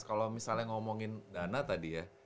kalau misalnya ngomongin dana tadi ya